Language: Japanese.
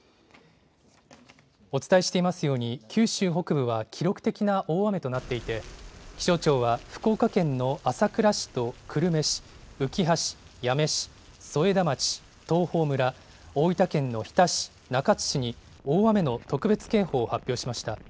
お伝えしていますように、九州北部は記録的な大雨となっていて、気象庁は福岡県の朝倉市と久留米市、うきは市、八女市、添田町、東峰村、大分県の日田市、中津市に大雨の特別警報を発表しました。